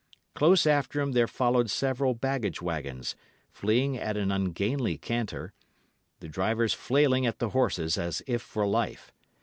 Close after him there followed several baggage waggons, fleeing at an ungainly canter, the drivers flailing at the horses as if for life.